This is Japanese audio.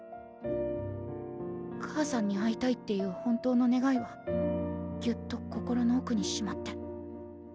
「母さんに会いたい」っていう本当の願いはぎゅっと心のおくにしまって。